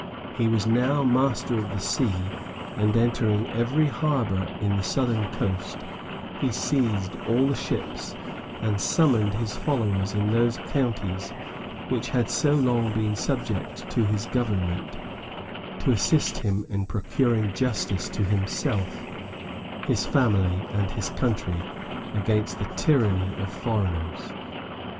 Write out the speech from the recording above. He was now master of the sea; and entering every harbor in the southern coast, he seized all the ships,[] and summoned his followers in those counties, which had so long been subject to his government, to assist him in procuring justice to himself his family, and his country, against the tyranny of foreigners.